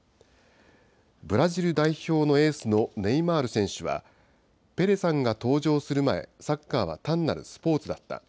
ブラジル代表のエースのネイマール選手は、ペレさんが登場する前、サッカーは単なるスポーツだった。